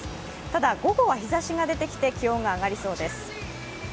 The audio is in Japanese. ただ、午後は日ざしが出てきて気温が上がりそうです。